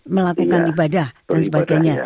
melakukan ibadah dan sebagainya